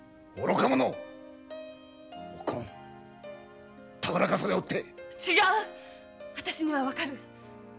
愚か者お紺たぶらかされおって違う私には分かる。